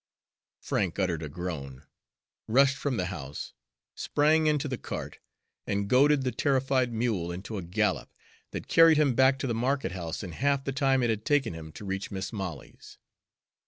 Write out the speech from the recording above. Frank uttered a groan, rushed from the house, sprang into the cart, and goaded the terrified mule into a gallop that carried him back to the market house in half the time it had taken him to reach Mis' Molly's.